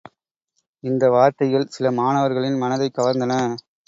இந்த வார்த்தைகள் சில மாணவர்களின் மனதைக் கவர்ந்தன.